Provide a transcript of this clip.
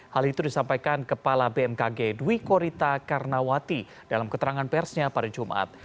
hal itu disampaikan kepala bmkg dwi korita karnawati dalam keterangan persnya pada jumat